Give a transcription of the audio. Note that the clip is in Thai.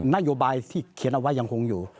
นโยบายที่เขียนเอาไว้ยังคงอยู่